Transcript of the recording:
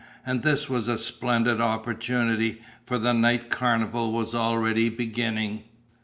And this was a splendid opportunity, for the night carnival was already beginning.